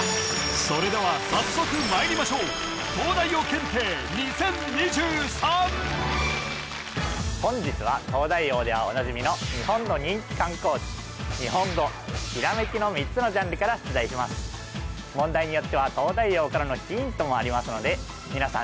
それでは早速まいりましょう本日は「東大王」ではおなじみの３つのジャンルから出題します問題によっては東大王からのヒントもありますので皆さん